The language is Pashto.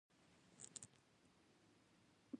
ستا د خوږ ځیګر د لاسه